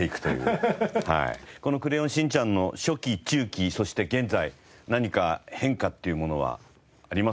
この『クレヨンしんちゃん』の初期中期そして現在何か変化っていうものはありますでしょうか？